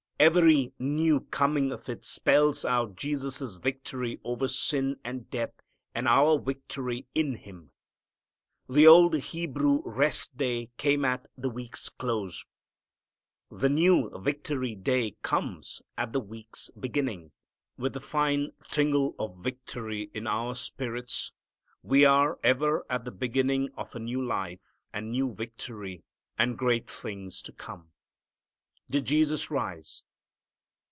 Every new coming of it spells out Jesus' victory over sin and death and our victory in Him. The old Hebrew rest day came at the week's close. The new victory day comes at the week's beginning. With the fine tingle of victory in our spirits we are ever at the beginning of a new life and new victory and great things to come. Did Jesus rise?